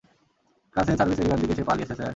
কাছের সার্ভিস এরিয়ার দিকে সে পালিয়েছে স্যার।